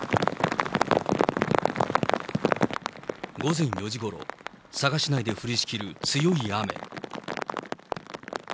午前４時ごろ、佐賀市内で降りしきる強い雨。